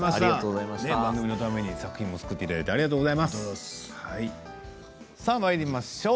番組のために作品を作っていただいてありがとうございます。